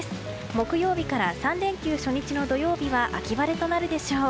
木曜日から３連休初日の土曜日は秋晴れとなるでしょう。